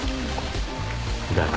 だが